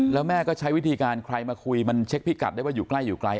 แล้วแม่ก็ใช้วิธีการใครมาคุยมันเช็คพิกัดได้ว่าอยู่ใกล้อยู่ไกล